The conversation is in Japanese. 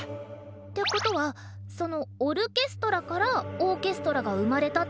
ってことはそのオルケストラからオーケストラが生まれたってこと？